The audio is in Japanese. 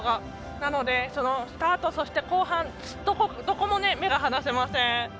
なので、スタート、そして後半どこも目が離せません。